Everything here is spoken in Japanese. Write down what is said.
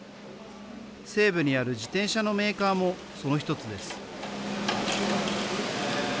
西部にある自転車のメーカーもその１つです。